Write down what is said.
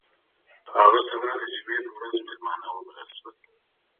په هغه سبا د جمعې په ورځ میلمانه وبلل شول.